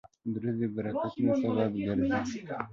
درود د برکتونو سبب ګرځي